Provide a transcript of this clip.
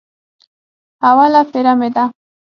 اوله پېره مې ده.